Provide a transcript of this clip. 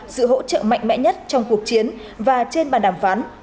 sự hỗ trợ mạnh mẽ nhất trong cuộc chiến và trên bàn đàm phán